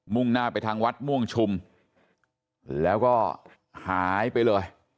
่งหน้าไปทางวัดม่วงชุมแล้วก็หายไปเลย